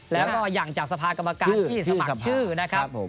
แล้วก็อย่างจากสภากรรมการที่สมัครชื่อนะครับ